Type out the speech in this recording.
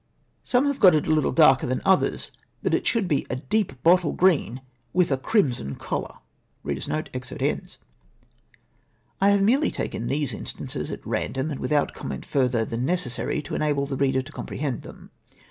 —" Some have got it a little darker than others, but it should be a deep bottle green, with a crimson collar.^' I have merely taken these instances at random, and without comment further than necessary to enable the reader to comprehend them.